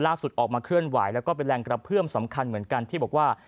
ออกมาเคลื่อนไหวแล้วก็เป็นแรงกระเพื่อมสำคัญเหมือนกันที่บอกว่า